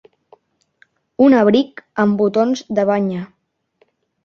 Un abric amb botons de banya.